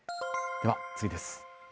では次です。